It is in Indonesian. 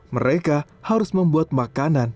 mereka harus membuat makanan